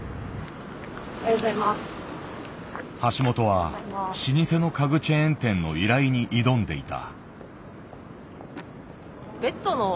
橋本は老舗の家具チェーン店の依頼に挑んでいた。